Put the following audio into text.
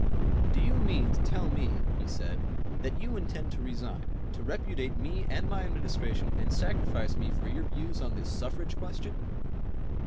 "Do you mean to tell me," he said, "that you intend to resign, to repudiate me and my Administration and sacrifice me for your views on this suffrage question?"